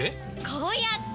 こうやって！